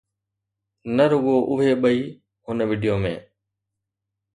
نه رڳو اهي ٻئي هن وڊيو ۾